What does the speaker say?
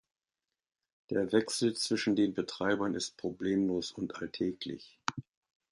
Der Wechsel zwischen den Betreibern ist problemlos und alltäglich.